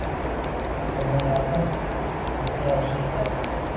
Qobiliyati o’ziga yarasha ekan.